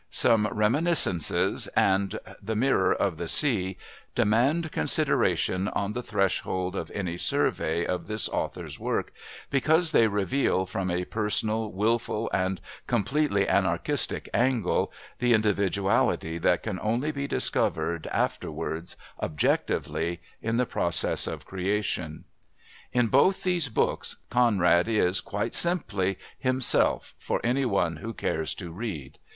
Some Reminiscences and The Mirror of the Sea demand consideration on the threshold of any survey of this author's work, because they reveal, from a personal, wilful and completely anarchistic angle, the individuality that can only be discovered, afterwards, objectively, in the process of creation. In both these books Conrad is, quite simply, himself for anyone who cares to read.